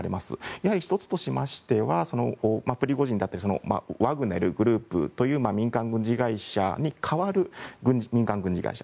やはり、その１つとしてはプリゴジンだったりワグネルグループという民間軍事会社に代わる民間軍事会社。